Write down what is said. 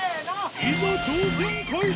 いざ挑戦開始！